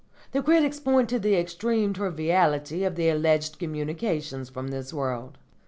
The critics point to the extreme triviality of the alleged communications from this world.